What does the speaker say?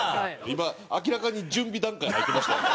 今明らかに準備段階入ってましたよね。